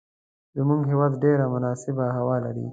زموږ هیواد ډیره مناسبه هوا لری